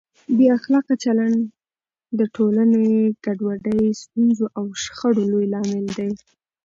بې اخلاقه چلند د ټولنې ګډوډۍ، ستونزو او شخړو لوی لامل دی.